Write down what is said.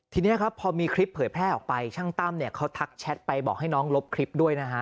ทีนี้ครับพอมีคลิปเผยแพร่ออกไปช่างตั้มเนี่ยเขาทักแชทไปบอกให้น้องลบคลิปด้วยนะฮะ